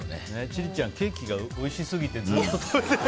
千里ちゃんケーキがおいしすぎてずっと。